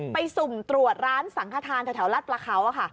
ไปสุ่มตรวจร้านสังฆฐานที่แถวราชประเขาค่ะ